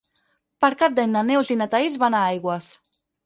Per Cap d'Any na Neus i na Thaís van a Aigües.